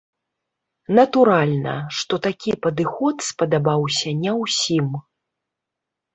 Натуральна, што такі падыход спадабаўся не ўсім.